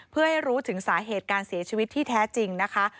เพื่อให้รู้ถึงสาเหตุการเสียชีวิตที่แท้จริงนะคะ